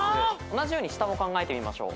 同じように下も考えてみましょう。